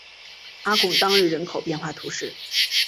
阿贡当日人口变化图示